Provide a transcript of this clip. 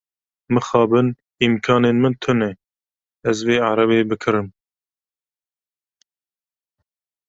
Mixabin, îmkanên min tune ez vê erebeyê bikirim.